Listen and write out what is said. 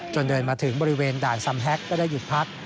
เดินมาถึงบริเวณด่านซัมแฮ็กก็ได้หยุดพัก